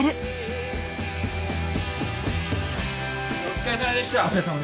お疲れさまでした。